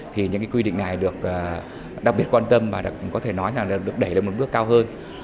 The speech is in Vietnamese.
thì những quy định này được đặc biệt quan tâm và có thể nói là được đẩy lên một bước cao hơn